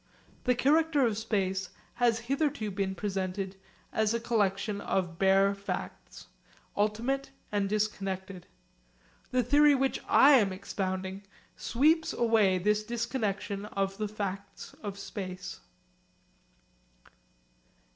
The character of space has hitherto been presented as a collection of bare facts, ultimate and disconnected. The theory which I am expounding sweeps away this disconnexion of the facts of space.